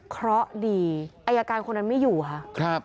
เพราะดีอายการคนนั้นไม่อยู่ค่ะ